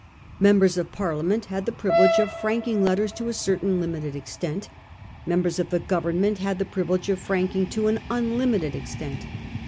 Members of Parliament had the privilege of franking letters to a certain limited extent ; members of the Government had the privilege of franking to an unlimited extent.